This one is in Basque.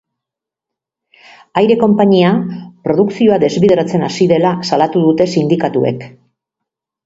Aire-konpainia produkzioa desbideratzen hasi dela salatu dute sindikatuek.